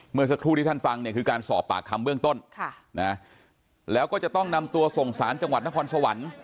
เมื่อสักครู่ที่ท่านฟังเนี่ยคือการสอบปากคำเบื้องต้นแล้วก็จะต้องนำตัวส่งสารจังหวัดนครสวรรค์